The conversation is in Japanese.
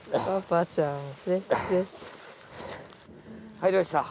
入りました。